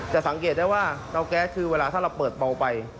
สังเกตได้ว่าเตาแก๊สคือเวลาถ้าเราเปิดเบาไป